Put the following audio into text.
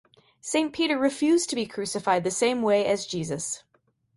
Saint Peter refused to be crucified the same way as Jesus.